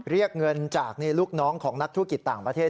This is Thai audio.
เรียกเงินจากลูกน้องของนักธุรกิจต่างประเทศ